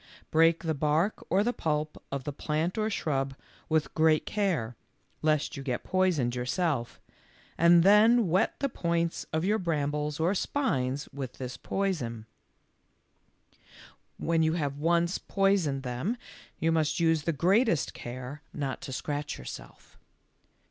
Break the bark or the pulp of the plant or shrub with great care lest you get poisoned yourself, and then wet the points of your brambles or spines with this poison. THE END OF BLACK LIGHTNING. 95 When you have once poisoned them, you must use the greatest care not to scratch yourself.